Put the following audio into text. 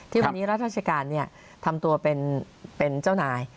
วันนี้รัฐราชการทำตัวเป็นเจ้านาย